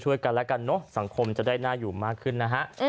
กันแล้วกันเนอะสังคมจะได้น่าอยู่มากขึ้นนะฮะ